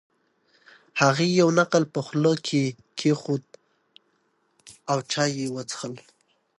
هغې یو نقل په خوله کې کېښود او چای یې وڅښل.